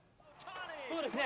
そうですね。